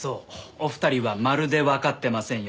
お二人はまるでわかってませんよ。